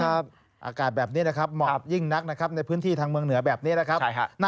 อากาศแบบนี้นะครับเหมาะยิ่งนักนะครับในพื้นที่ทางเมืองเหนือแบบนี้นะครับ